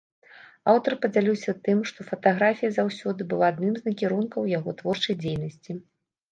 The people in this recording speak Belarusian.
Аўтар падзяліўся тым, што фатаграфія заўсёды была адным з накірункаў яго творчай дзейнасці.